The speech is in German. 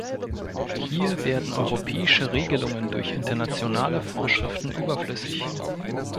Hier werden europäische Regelungen durch internationale Vorschriften überflüssig.